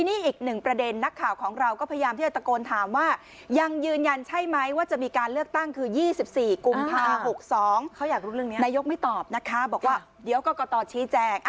๒นายกไม่ตอบนะคะบอกว่าเดี๋ยวก็ก่อตอชี้แจก